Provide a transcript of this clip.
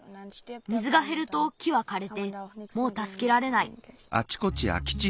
水がへると木はかれてもうたすけられない。